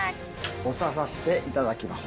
押させていただきます。